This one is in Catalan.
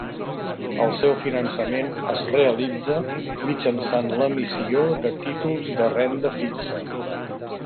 El seu finançament es realitza mitjançant l'emissió de títols de renda fixa.